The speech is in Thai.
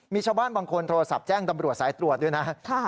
มีชาวบ้านบางคนโทรศัพท์แจ้งตำรวจสายตรวจด้วยนะ